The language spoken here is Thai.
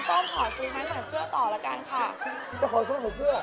น้ำส้มขอรู้หมายผ่านเสื้อต่อละกันค่ะจะขอส้มขอเสื้อ